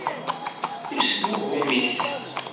Yesgugem-it.